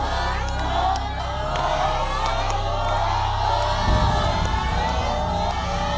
โอ้โห